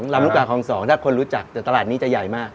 ลำลูกกาคลอง๒ถ้าคนรู้จักแต่ตลาดนี้จะใหญ่มาก